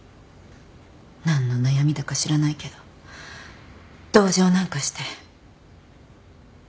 何の悩みだか知らないけど同情なんかして。